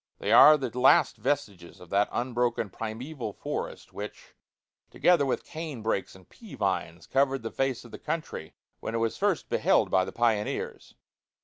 They are the last vestiges of that unbroken primeval forest which, together with cane brakes and pea vines, covered the face of the country when it was first beheld by the pioneers.